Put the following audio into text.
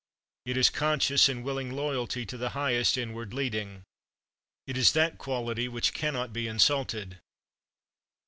It is conscious and willing loyalty to the highest inward leading. It is that quality which cannot be insulted.